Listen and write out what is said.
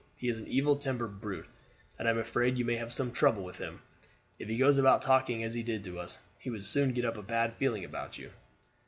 He is an evil tempered brute, and I am afraid you may have some trouble with him. If he goes about talking as he did to us, he would soon get up a feeling against you.